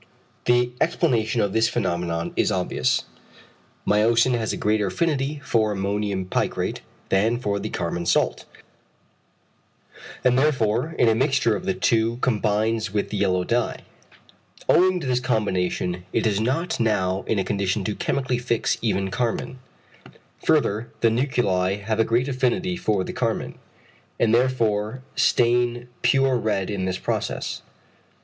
The explanation of this phenomenon is obvious. Myosin has a greater affinity for ammonium picrate than for the carmine salt, and therefore in a mixture of the two combines with the yellow dye. Owing to this combination it is not now in a condition to chemically fix even carmine. Further, the nuclei have a great affinity for the carmine, and therefore stain pure red in this process.